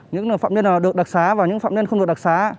những phạm nhân được đặc sá và những phạm nhân không được đặc sá